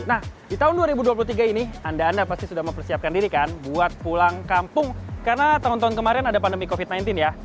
nah di tahun dua ribu dua puluh tiga ini anda anda pasti sudah mempersiapkan diri kan buat pulang kampung karena tahun tahun kemarin ada pandemi covid sembilan belas ya